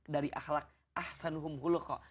dari ahlak ahsanuhum hulukho